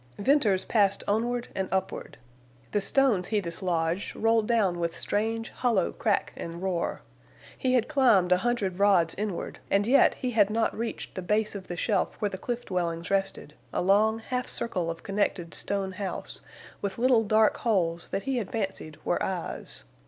Venters passed onward and upward. The stones he dislodged rolled down with strange, hollow crack and roar. He had climbed a hundred rods inward, and yet he had not reached the base of the shelf where the cliff dwellings rested, a long half circle of connected stone house, with little dark holes that he had fancied were eyes.